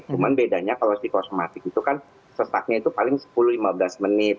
cuma bedanya kalau psikosomatik itu kan sesaknya itu paling sepuluh lima belas menit